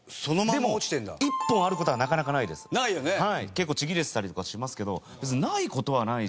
結構ちぎれてたりとかしますけどない事はないし。